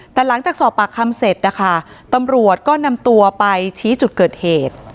แต่หลังจากสอบปากคำเสร็จนะคะตำรวจก็นำตัวไปชี้จุดเกิดเหตุ